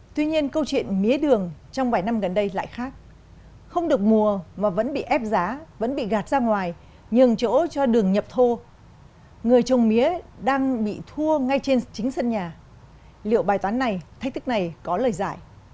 tuy nhiên câu chuyện mía đường trong vài năm gần đây lại khác không được mùa mà vẫn bị ép giá vẫn bị gạt ra ngoài nhường chỗ cho đường nhập thô người trồng mía đang bị thua ngay trên chính sân nhà liệu bài toán này thách thức này có lời giải